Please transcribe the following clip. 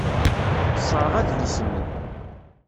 Tesserɣ adlis-nni.